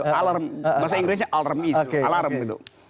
bahasa inggrisnya alarmis alarm gitu